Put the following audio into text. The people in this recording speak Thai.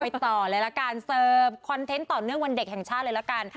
ต่อเลยละกันเสิร์ฟคอนเทนต์ต่อเนื่องวันเด็กแห่งชาติเลยละกัน